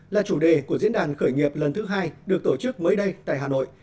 là chủ đề của diễn đàn khởi nghiệp lần thứ hai được tổ chức mới đây tại hà nội